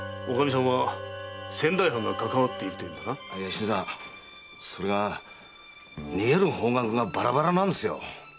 新さんそれが逃げる方角がバラバラなんですよ。